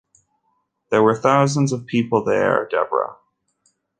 There were thousands of people there, Debra.